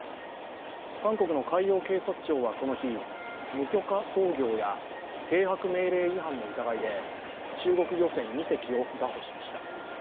韓国の海洋警察庁はこの日、無許可操業や停泊命令違反の疑いで中国漁船２隻を拿捕しました。